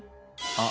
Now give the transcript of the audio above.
あっ